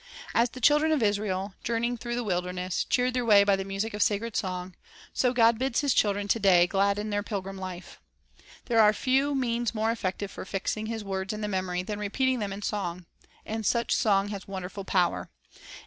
As the children of Israel, journeying through the Power g of Soii£ wilderness, cheered their way by the music of sacred song, so God bids His children to day gladden their pilgrim life. There are few means more effective for fixing His words in the memory than repeating them in song. And such song has wonderful power. It has 1 Isa. 26: 1 4. 2 Isa. 35 : 10, R. V. 3 Jer. 31 : 12.